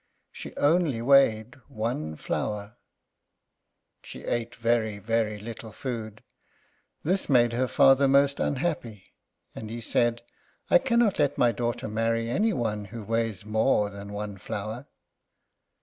She only weighed one flower. She ate very, very little food. This made her father most unhappy, and he said, "I cannot let my daughter marry any one who weighs more than one flower."